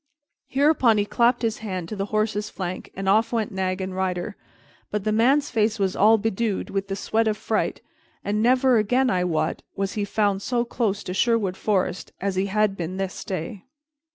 Hereupon he clapped his hand to the horse's flank and off went nag and rider. But the man's face was all bedewed with the sweat of fright, and never again, I wot, was he found so close to Sherwood Forest as he had been this day.